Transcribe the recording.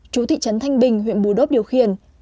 chú thị trấn thanh bình huyện bù đốp điều khiển